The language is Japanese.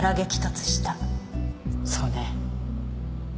そうね。